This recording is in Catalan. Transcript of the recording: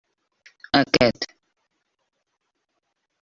Aquest.